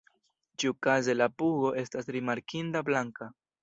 Ĉiukaze la pugo estas rimarkinda blanka.